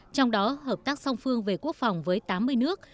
trong đó hợp tác song phương về quốc phòng với tám mươi nước